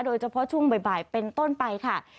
โดยเฉพาะช่วงบ่ายเป็นต้นไปค่ะ